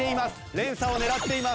連鎖を狙っています。